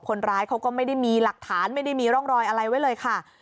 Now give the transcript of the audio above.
คนร้ายเขาก็ไม่ได้มีหลักฐานไม่ได้มีร่องรอยอะไรไว้เลยค่ะ